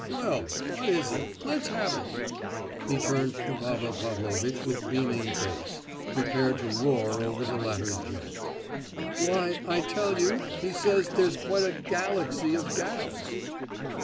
"Well, what is it, let's have it!" He turned to Pavel Pavlovitch with beaming face, prepared to roar over the latter's joke. "Why, I tell you, he says there's quite a 'galaxy of gals.